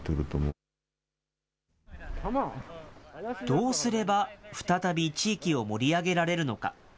どうすれば再び地域を盛り上げられるのか。